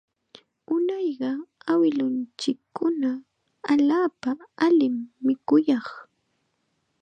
Unayqa awilunchikkuna allaapa allim mikuyaq